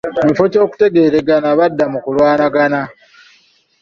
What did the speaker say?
Mu kifo ky'okutegeeregana, badda mu kulwanagana.